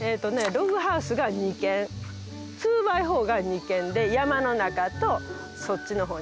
ログハウスが２軒ツーバイフォーが２軒で山の中とそっちの方にあります。